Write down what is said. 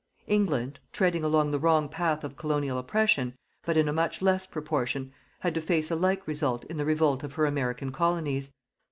England, treading along the wrong path of Colonial oppression, but in a much less proportion, had to face a like result in the revolt of her American Colonies.